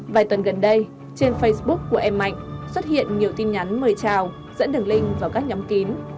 vài tuần gần đây trên facebook của em mạnh xuất hiện nhiều tin nhắn mời chào dẫn đường link vào các nhóm kín